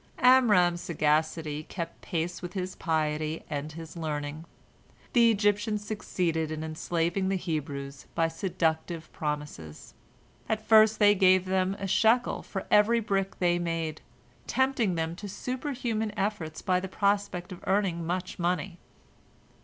Amram's sagacity kept pace with his piety and his learning. The Egyptians succeeded in enslaving the Hebrews by seductive promises. At first they gave them a shekel for every brick they made, tempting them to superhuman efforts by the prospect of earning much money.